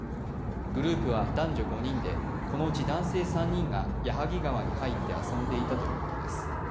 グループは男女５人で、このうち男性３人が矢作川に入って遊んでいたということです。